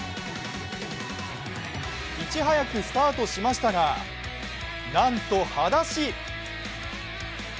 いち早くスタートしましたがなんと、はだし。